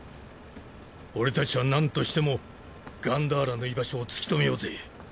俺たちはなんとしてもガンダーラの居場所を突き止めようぜ。